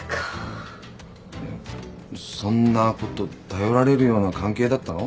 そんなこと頼られるような関係だったの？